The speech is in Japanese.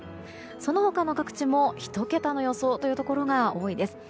その他の各地も１桁の予想というところが多いです。